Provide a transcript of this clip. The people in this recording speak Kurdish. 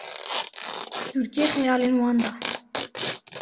tûrikê xeyalên wan de